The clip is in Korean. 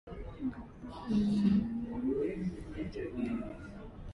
어때, 좋지?